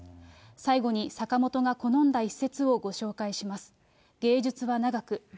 最後に、坂本が好んだ一節をご紹介します。